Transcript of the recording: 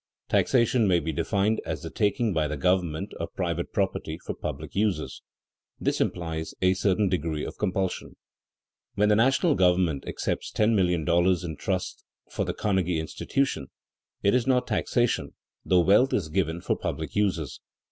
_ Taxation may be defined as the taking by the government of private property for public uses. This implies a certain degree of compulsion. When the national government accepts ten million dollars in trust for the Carnegie Institution, it is not taxation, though wealth is given for public uses.